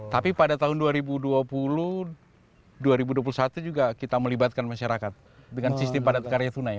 tapi pada tahun dua ribu dua puluh dua ribu dua puluh satu juga kita melibatkan masyarakat dengan sistem padat karya tunai